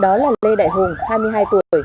đó là lê đại hùng hai mươi hai tuổi